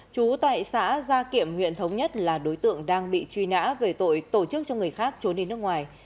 chú tại xã gia kiểm huyện thống nhất là đối tượng đang bị truy nã về tội tổ chức cho người khác trốn đi nước ngoài